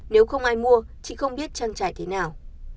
nếu không ai mua chị không biết trăng trải thế nào